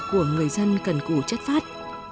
của người dân cần củ chất phát